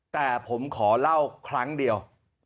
แต่ผมขอเล่าครั้งเดียว